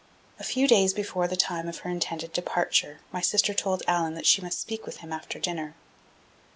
A few days before the time of her intended departure my sister told Allan that she must speak with him after dinner.